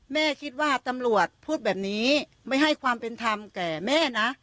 แม่คิดว่าตำรวจพูดแบบนี้ไม่ให้ความเป็นธรรมแก่แม่นะ